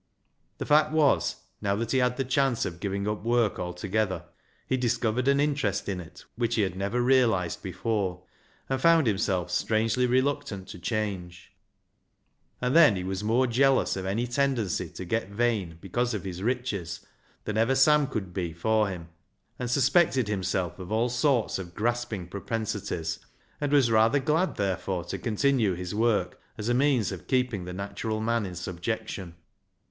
The fact was, now that he had the chance of giving up work altogether, he discovered an interest in it which he had never realised before, and found himself strangely reluctant to change. And then he was more jealous of any tendency to get vain because of his riches than ever Sam could be for him, and suspected himself of all LIGE'S LEGACY 175 sorts of grasping propensities, and was rather glad therefore to continue his work as a means of keeping the natural man in subjection.